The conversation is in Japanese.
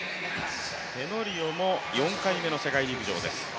テノリオも４回目の世界陸上です。